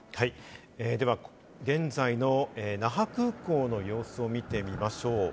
現在の那覇空港の様子を見てみましょう。